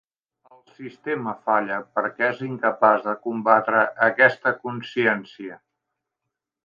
El sistema falla perquè és incapaç de combatre aquesta consciència.